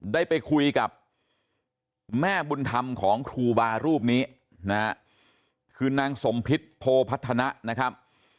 ได้ไปคุยกับแม่บุญธรรมของครูบารูปนี้นะฮะคือนางสมพิษโพพัฒนะนะครับ